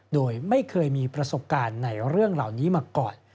โดยไม่เคยมีประสบการณ์ในเรื่องเหล่านี้มาก่อน